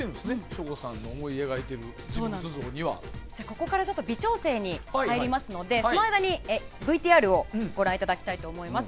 省吾さんのここから微調整に入りますのでその間にＶＴＲをご覧いただきたいと思います。